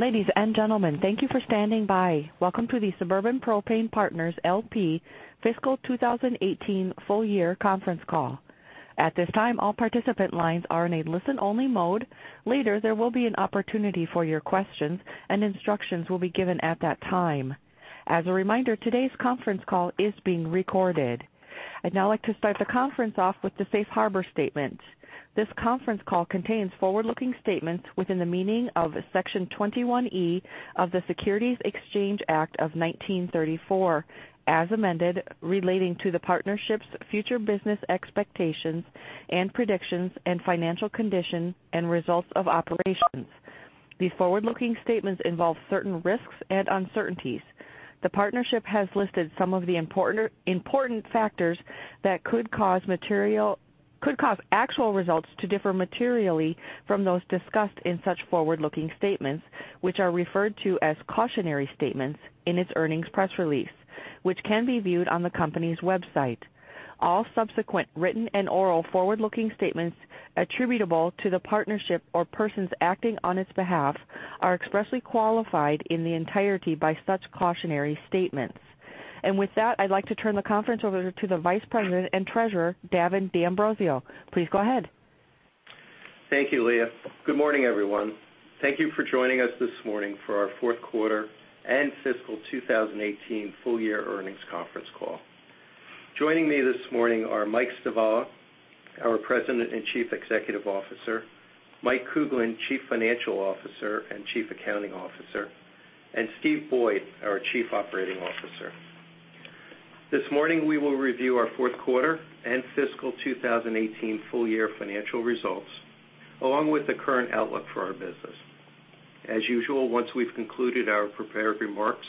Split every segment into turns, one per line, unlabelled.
Ladies and gentlemen, thank you for standing by. Welcome to the Suburban Propane Partners, L.P. Fiscal 2018 full year conference call. At this time, all participant lines are in a listen-only mode. Later, there will be an opportunity for your questions, and instructions will be given at that time. As a reminder, today's conference call is being recorded. I'd now like to start the conference off with the safe harbor statement. This conference call contains forward-looking statements within the meaning of Section 21E of the Securities Exchange Act of 1934, as amended, relating to the partnership's future business expectations and predictions and financial condition and results of operations. These forward-looking statements involve certain risks and uncertainties. The partnership has listed some of the important factors that could cause actual results to differ materially from those discussed in such forward-looking statements, which are referred to as cautionary statements in its earnings press release, which can be viewed on the company's website. All subsequent written and oral forward-looking statements attributable to the partnership or persons acting on its behalf are expressly qualified in the entirety by such cautionary statements. With that, I'd like to turn the conference over to the Vice President and Treasurer, Davin D'Ambrosio. Please go ahead.
Thank you, Leah. Good morning, everyone. Thank you for joining us this morning for our fourth quarter and fiscal 2018 full year earnings conference call. Joining me this morning are Mike Stivala, our President and Chief Executive Officer; Mike Kuglin, Chief Financial Officer and Chief Accounting Officer; and Steven Boyd, our Chief Operating Officer. This morning, we will review our fourth quarter and fiscal 2018 full year financial results, along with the current outlook for our business. As usual, once we've concluded our prepared remarks,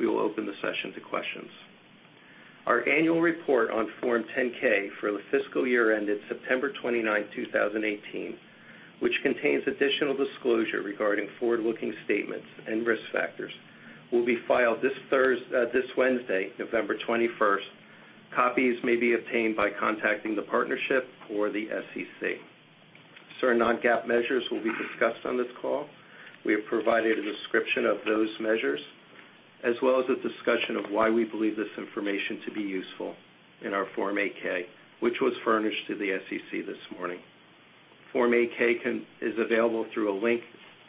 we will open the session to questions. Our annual report on Form 10-K for the fiscal year ended September 29, 2018, which contains additional disclosure regarding forward-looking statements and risk factors, will be filed this Wednesday, November 21st. Copies may be obtained by contacting the partnership or the SEC. Certain non-GAAP measures will be discussed on this call. We have provided a description of those measures, as well as a discussion of why we believe this information to be useful in our Form 8-K, which was furnished to the SEC this morning. Form 8-K is available through a link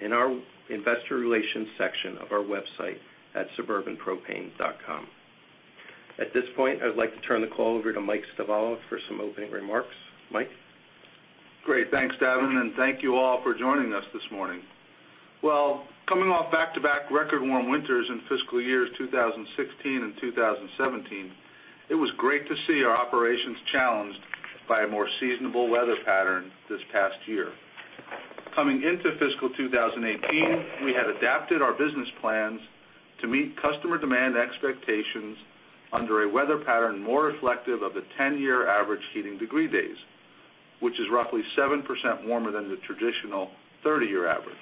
in our investor relations section of our website at suburbanpropane.com. At this point, I would like to turn the call over to Mike Stivala for some opening remarks. Mike?
Great. Thanks, Davin, and thank you all for joining us this morning. Well, coming off back-to-back record warm winters in fiscal years 2016 and 2017, it was great to see our operations challenged by a more seasonable weather pattern this past year. Coming into fiscal 2018, we had adapted our business plans to meet customer demand expectations under a weather pattern more reflective of the 10-year average heating degree days, which is roughly 7% warmer than the traditional 30-year average.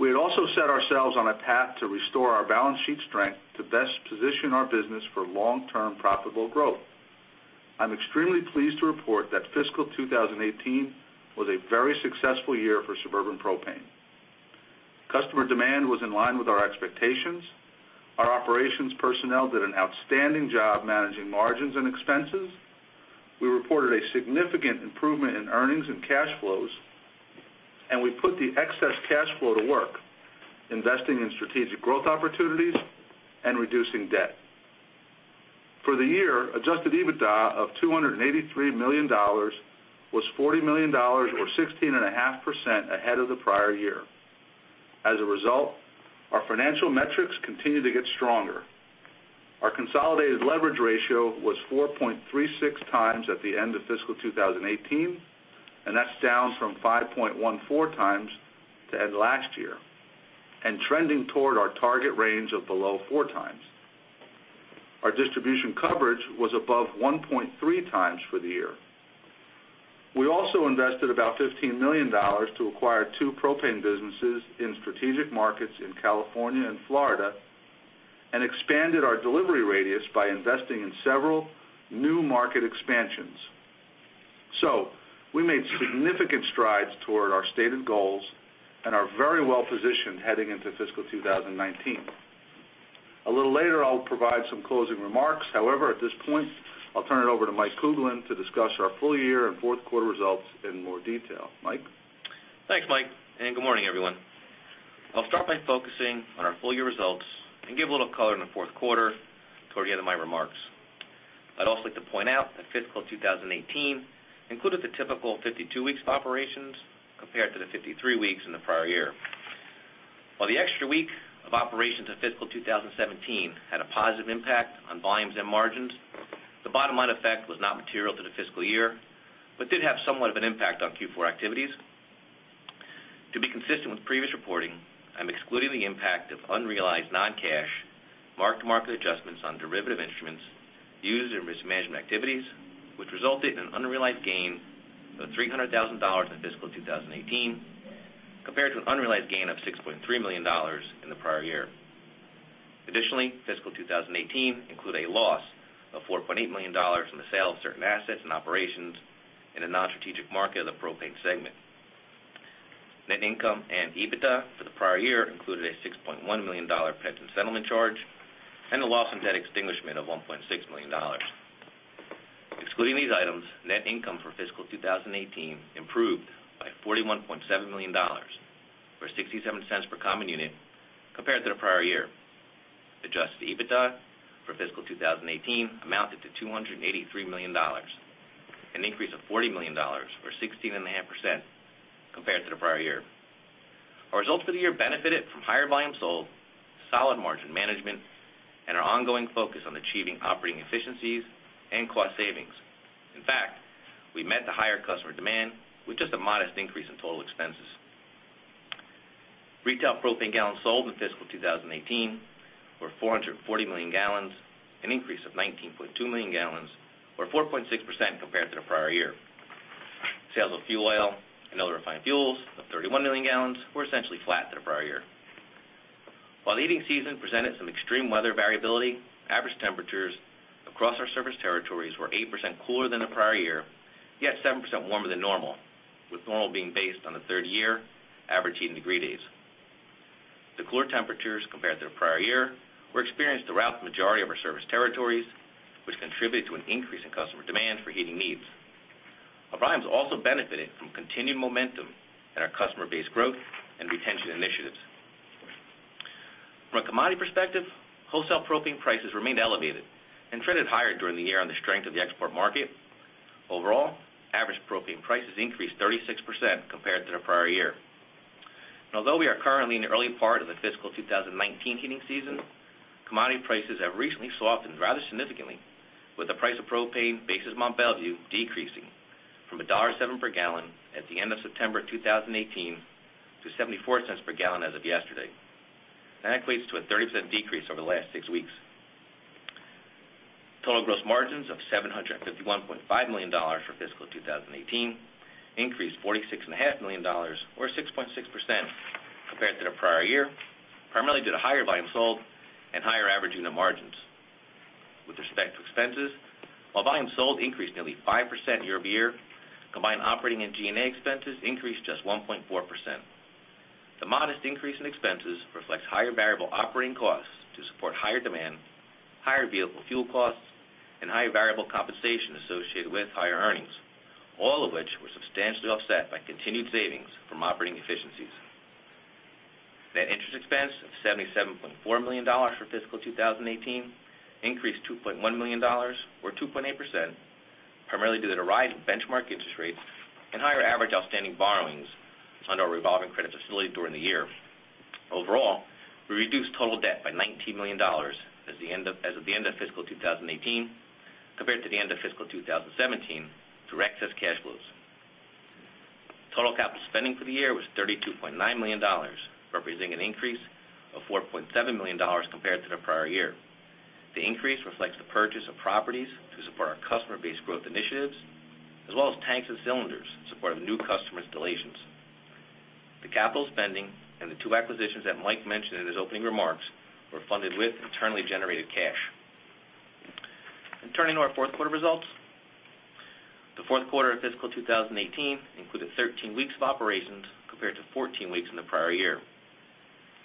We had also set ourselves on a path to restore our balance sheet strength to best position our business for long-term profitable growth. I'm extremely pleased to report that fiscal 2018 was a very successful year for Suburban Propane. Customer demand was in line with our expectations. Our operations personnel did an outstanding job managing margins and expenses. We reported a significant improvement in earnings and cash flows. We put the excess cash flow to work, investing in strategic growth opportunities and reducing debt. For the year, adjusted EBITDA of $283 million was $40 million or 16.5% ahead of the prior year. As a result, our financial metrics continued to get stronger. Our consolidated leverage ratio was 4.36x at the end of fiscal 2018, and that's down from 5.14x to end last year, and trending toward our target range of below 4x. Our distribution coverage was above 1.3x for the year. We also invested about $15 million to acquire two propane businesses in strategic markets in California and Florida and expanded our delivery radius by investing in several new market expansions. We made significant strides toward our stated goals and are very well-positioned heading into fiscal 2019. A little later, I'll provide some closing remarks. However, at this point, I'll turn it over to Mike Kuglin to discuss our full year and fourth quarter results in more detail. Mike?
Thanks, Mike, and good morning, everyone. I'll start by focusing on our full-year results and give a little color on the fourth quarter toward the end of my remarks. I'd also like to point out that fiscal 2018 included the typical 52 weeks of operations compared to the 53 weeks in the prior year. While the extra week of operations in fiscal 2017 had a positive impact on volumes and margins, the bottom line effect was not material to the fiscal year, but did have somewhat of an impact on Q4 activities. To be consistent with previous reporting, I'm excluding the impact of unrealized non-cash, mark-to-market adjustments on derivative instruments used in risk management activities, which resulted in an unrealized gain of $300,000 in fiscal 2018, compared to an unrealized gain of $6.3 million in the prior year. Additionally, fiscal 2018 include a loss of $4.8 million from the sale of certain assets and operations in a non-strategic market of the propane segment. Net income and EBITDA for the prior year included a $6.1 million pension settlement charge and a loss from debt extinguishment of $1.6 million. Excluding these items, net income for fiscal 2018 improved by $41.7 million, or $0.67 per common unit compared to the prior year. Adjusted EBITDA for fiscal 2018 amounted to $283 million, an increase of $40 million or 16.5% compared to the prior year. Our results for the year benefited from higher volumes sold, solid margin management, and our ongoing focus on achieving operating efficiencies and cost savings. In fact, we met the higher customer demand with just a modest increase in total expenses. Retail propane gallons sold in fiscal 2018 were 440 million gal, an increase of 19.2 million gal or 4.6% compared to the prior year. Sales of fuel oil and other refined fuels of 31 million gal were essentially flat to the prior year. While the heating season presented some extreme weather variability, average temperatures across our service territories were 8% cooler than the prior year, yet 7% warmer than normal, with normal being based on the 30 year average heating degree days. The cooler temperatures compared to the prior year were experienced throughout the majority of our service territories, which contributed to an increase in customer demand for heating needs. Our volumes also benefited from continued momentum in our customer base growth and retention initiatives. From a commodity perspective, wholesale propane prices remained elevated and traded higher during the year on the strength of the export market. Overall, average propane prices increased 36% compared to the prior year. Although we are currently in the early part of the fiscal 2019 heating season, commodity prices have recently softened rather significantly, with the price of propane basis Mont Belvieu decreasing from $1.07 per gallon at the end of September 2018 to $0.74 per gallon as of yesterday. That equates to a 30% decrease over the last six weeks. Total gross margins of $751.5 million for fiscal 2018 increased $46.5 million or 6.6% compared to the prior year, primarily due to higher volumes sold and higher average unit margins. With respect to expenses, while volume sold increased nearly 5% year-over-year, combined operating and G&A expenses increased just 1.4%. The modest increase in expenses reflects higher variable operating costs to support higher demand, higher vehicle fuel costs, and higher variable compensation associated with higher earnings, all of which were substantially offset by continued savings from operating efficiencies. Net interest expense of $77.4 million for fiscal 2018 increased $2.1 million or 2.8%, primarily due to the rise in benchmark interest rates and higher average outstanding borrowings under our revolving credit facility during the year. Overall, we reduced total debt by $19 million as of the end of fiscal 2018 compared to the end of fiscal 2017 through excess cash flows. Total capital spending for the year was $32.9 million, representing an increase of $4.7 million compared to the prior year. The increase reflects the purchase of properties to support our customer base growth initiatives, as well as tanks and cylinders in support of new customer installations. The capital spending and the two acquisitions that Mike mentioned in his opening remarks were funded with internally generated cash. Turning to our fourth quarter results. The fourth quarter of fiscal 2018 included 13 weeks of operations compared to 14 weeks in the prior year.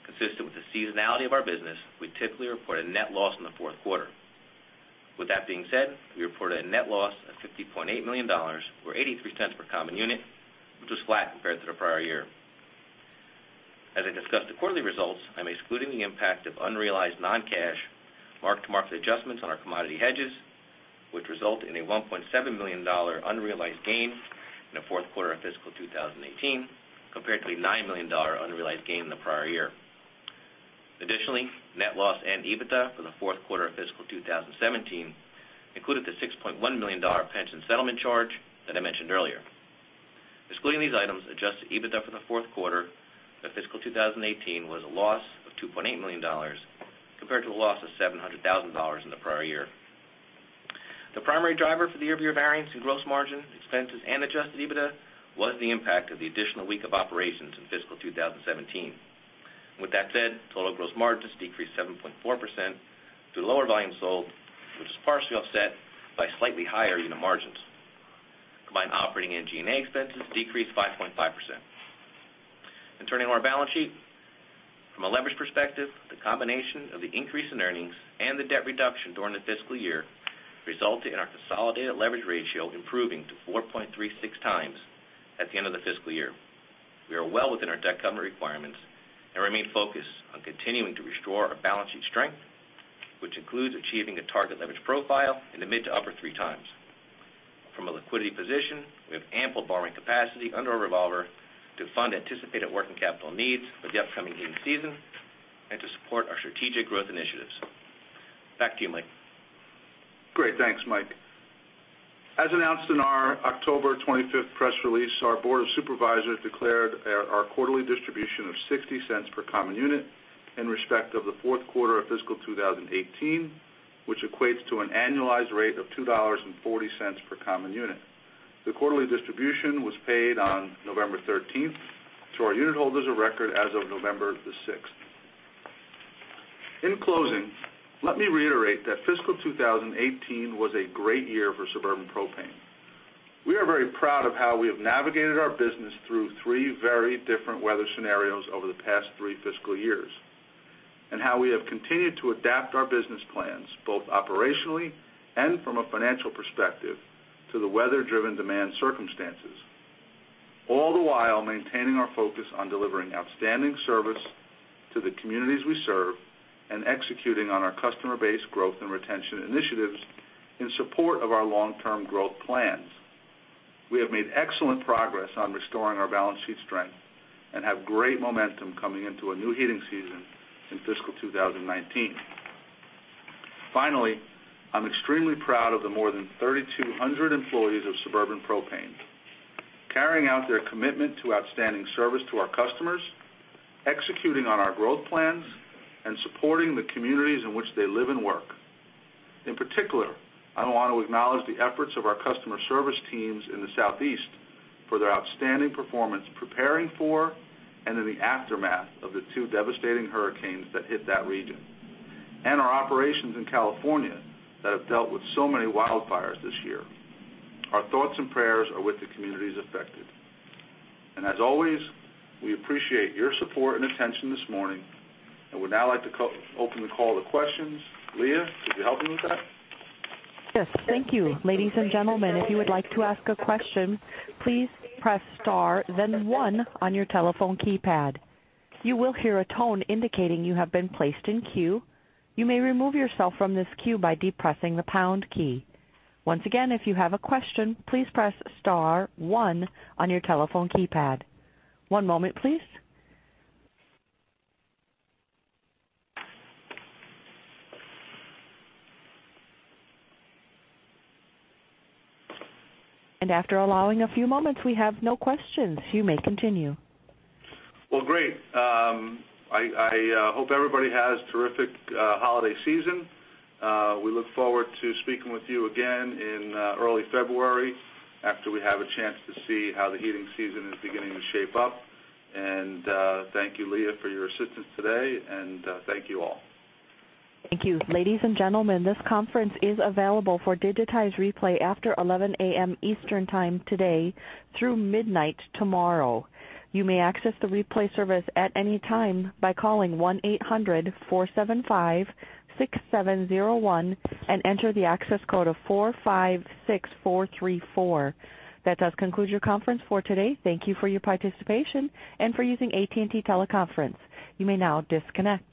Consistent with the seasonality of our business, we typically report a net loss in the fourth quarter. With that being said, we reported a net loss of $50.8 million or $0.83 per common unit, which was flat compared to the prior year. As I discuss the quarterly results, I'm excluding the impact of unrealized non-cash mark-to-market adjustments on our commodity hedges, which result in a $1.7 million unrealized gain in the fourth quarter of fiscal 2018 compared to a $9 million unrealized gain in the prior year. Additionally, net loss and EBITDA for the fourth quarter of fiscal 2017 included the $6.1 million pension settlement charge that I mentioned earlier. Excluding these items, adjusted EBITDA for the fourth quarter of fiscal 2018 was a loss of $2.8 million compared to a loss of $700,000 in the prior year. The primary driver for the year-over-year variance in gross margin, expenses, and adjusted EBITDA was the impact of the additional week of operations in fiscal 2017. With that said, total gross margins decreased 7.4% due to lower volumes sold, which was partially offset by slightly higher unit margins. Combined operating and G&A expenses decreased 5.5%. Turning to our balance sheet. From a leverage perspective, the combination of the increase in earnings and the debt reduction during the fiscal year resulted in our consolidated leverage ratio improving to 4.36x at the end of the fiscal year. We are well within our debt covenant requirements and remain focused on continuing to restore our balance sheet strength, which includes achieving a target leverage profile in the mid to upper 3x. From a liquidity position, we have ample borrowing capacity under our revolver to fund anticipated working capital needs for the upcoming heating season and to support our strategic growth initiatives. Back to you, Mike.
Great. Thanks, Mike. As announced in our October 25th press release, our Board of Supervisors declared our quarterly distribution of $0.60 per common unit in respect of the fourth quarter of fiscal 2018, which equates to an annualized rate of $2.40 per common unit. The quarterly distribution was paid on November 13th to our unit holders of record as of November 6th. In closing, let me reiterate that fiscal 2018 was a great year for Suburban Propane. We are very proud of how we have navigated our business through three very different weather scenarios over the past three fiscal years, and how we have continued to adapt our business plans, both operationally and from a financial perspective, to the weather-driven demand circumstances, all the while maintaining our focus on delivering outstanding service to the communities we serve and executing on our customer base growth and retention initiatives in support of our long-term growth plans. We have made excellent progress on restoring our balance sheet strength and have great momentum coming into a new heating season in fiscal 2019. Finally, I'm extremely proud of the more than 3,200 employees of Suburban Propane carrying out their commitment to outstanding service to our customers, executing on our growth plans, and supporting the communities in which they live and work. In particular, I want to acknowledge the efforts of our customer service teams in the Southeast for their outstanding performance preparing for and in the aftermath of the two devastating hurricanes that hit that region, and our operations in California that have dealt with so many wildfires this year. Our thoughts and prayers are with the communities affected. As always, we appreciate your support and attention this morning and would now like to open the call to questions. Leah, could you help me with that?
Yes, thank you. Ladies and gentlemen, if you would like to ask a question, please press star then one on your telephone keypad. You will hear a tone indicating you have been placed in queue. You may remove yourself from this queue by depressing the pound key. Once again, if you have a question, please press star one on your telephone keypad. One moment, please. After allowing a few moments, we have no questions. You may continue.
Well, great. I hope everybody has a terrific holiday season. We look forward to speaking with you again in early February after we have a chance to see how the heating season is beginning to shape up. Thank you, Leah, for your assistance today, and thank you all.
Thank you. Ladies and gentlemen, this conference is available for digitized replay after 11:00 A.M. Eastern Time today through midnight tomorrow. You may access the replay service at any time by calling 1-800-475-6701 and enter the access code of 456434. That does conclude your conference for today. Thank you for your participation and for using AT&T Teleconference. You may now disconnect.